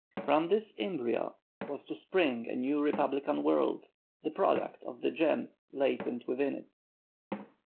From this embryo was to spring a new republican world, the product of the germs latent within it.